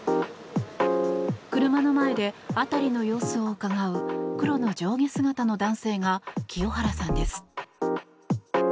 車の前で辺りの様子をうかがう黒の上下姿の男性が清原さんです。